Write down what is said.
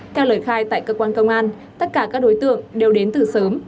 theo lời khai tại cơ quan công an tất cả các đối tượng đều đến từ sớm